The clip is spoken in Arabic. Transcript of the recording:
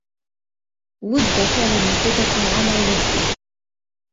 وُدَّ فلم تُبقِ على وُدِّه